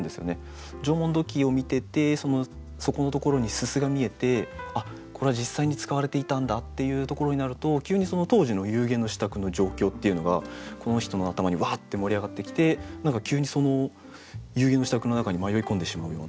縄文土器を見ててその底のところに煤が見えてこれは実際に使われていたんだっていうところになると急にその当時の夕餉の支度の状況っていうのがこの人の頭にワッて盛り上がってきて何か急にその夕餉の支度の中に迷い込んでしまうような。